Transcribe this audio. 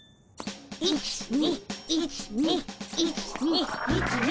１２１２１２１２。